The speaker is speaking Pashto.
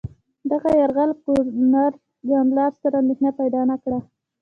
دغه یرغل ګورنرجنرال سره اندېښنه پیدا نه کړه.